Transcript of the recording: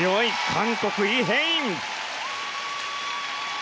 韓国、イ・ヘイン！